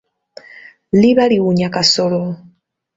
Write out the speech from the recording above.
Liba liwunya kasolo.